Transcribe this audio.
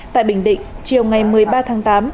tại bình định chiều ngày một mươi ba tháng tám